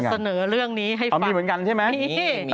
เดี๋ยวจะเสนอเรื่องนี้ให้ฟังมีเหมือนกันใช่ไหมมี